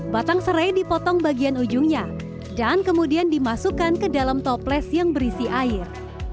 batang serai dipotong bagian ujungnya dan kemudian dimasukkan ke dalam toples yang berisi air